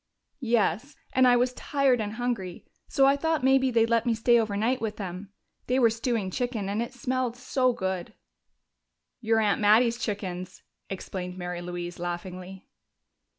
"Yes. And I was tired and hungry, so I thought maybe they'd let me stay overnight with them. They were stewing chicken, and it smelled so good." "Your aunt Mattie's chickens," explained Mary Louise laughingly.